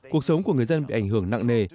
cuộc sống của người dân bị ảnh hưởng nặng nề